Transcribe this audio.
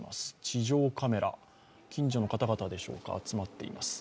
地上カメラ、近所の方々でしょうか集まっています。